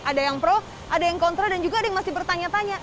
ada yang pro ada yang kontra dan juga ada yang masih bertanya tanya